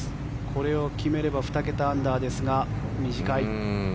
これを決めれば２桁アンダーですが、短い。